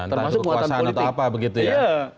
termasuk kekuasaan atau apa begitu ya